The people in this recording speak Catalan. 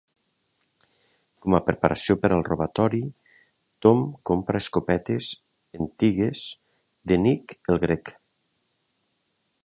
Com a preparació per al robatori, Tom compra escopetes antigues de Nick el Grec.